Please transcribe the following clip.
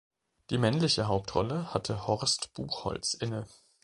Die männliche Hauptrolle hatte Horst Buchholz inne.